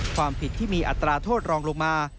ความผิดที่มีอัตราโทษรองลงมา